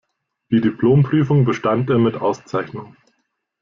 Die Diplomprüfung bestand er mit Auszeichnung.